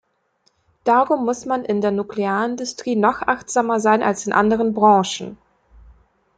Darum muss man in der Nuklearindustrie noch achtsamer sein als in anderen Branchen.